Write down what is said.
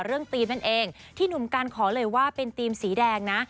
ธีมนั่นเองที่หนุ่มกันขอเลยว่าเป็นธีมสีแดงนะ